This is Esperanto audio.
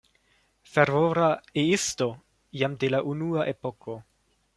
Fervora E-isto jam de la unua epoko.